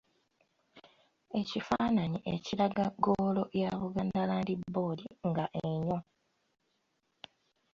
Ekifaananyi ekiraga ggoolo ya Buganda Land Board nga enywa.